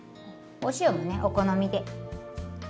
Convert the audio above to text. お塩もお好みで。